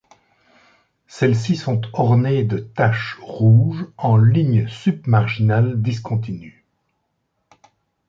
Celles-ci sont ornées de taches rouges en ligne submarginale discontinue.